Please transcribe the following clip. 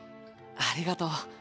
ありがとう。